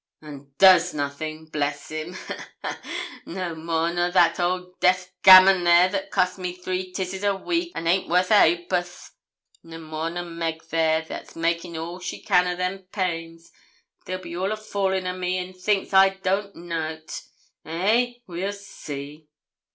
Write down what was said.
'An' does nothin', bless him! ha, ha. No more nor that old deaf gammon there that costs me three tizzies a week, and haint worth a h'porth no more nor Meg there, that's making all she can o' them pains. They be all a foolin' o' me, an' thinks I don't know't. Hey? we'll see.'